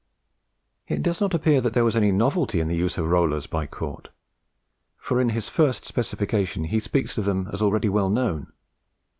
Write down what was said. It does not appear that there was any novelty in the use of rollers by Cort; for in his first specification he speaks of them as already well known.